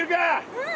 うん！